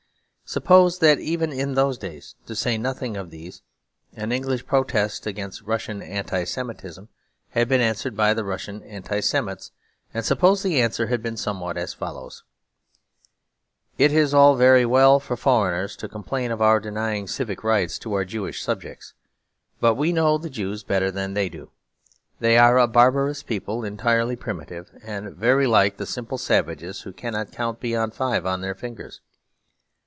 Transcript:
Suppose that even in those days, to say nothing of these, an English protest against Russian Anti Semitism had been answered by the Russian Anti Semites, and suppose the answer had been somewhat as follows: 'It is all very well for foreigners to complain of our denying civic rights to our Jewish subjects; but we know the Jews better than they do. They are a barbarous people, entirely primitive, and very like the simple savages who cannot count beyond five on their fingers.